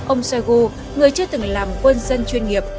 ông shoigu người chưa từng làm quân dân chuyên nghiệp